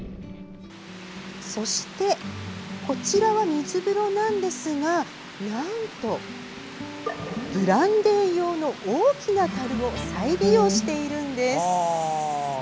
そしてこちらは水風呂なんですがなんとブランデー用の大きなたるを再利用しているんです。